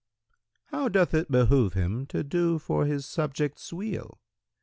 Q "How doth it behove him to do for his subjects' weal?"